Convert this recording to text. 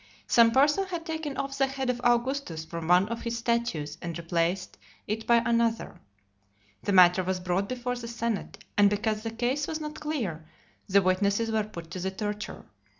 Some person had taken off the head of Augustus from one of his statues, and replaced it by another . The matter was brought before the senate, and because the case was not clear, the witnesses were put to the torture.